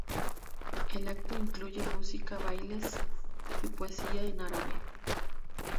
El acto incluye música, bailes y poesía en árabe.